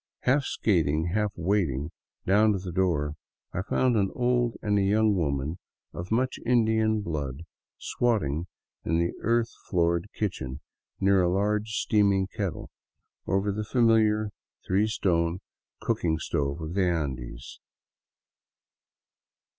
Half skating, half wading down to the door, I found an old and a young woman of much Indian blood squatting in the earth floored kitchen near a large steaming kettle over the familiar three stone cooking stove of the Andes.